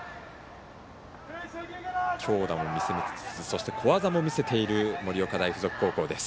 強打も見せつつ小技も見せている盛岡大付属高校です。